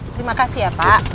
terima kasih ya pak